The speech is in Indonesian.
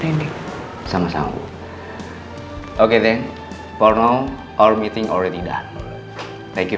terima kasih banyak banyak telah bersama kami hari ini